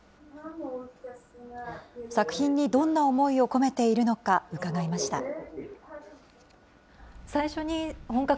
作品にどんな思いを込めているのか、伺いました。